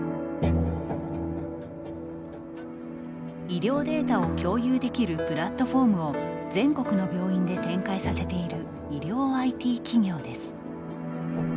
医療データを共有できるプラットホームを全国の病院で展開させている医療ＩＴ企業です。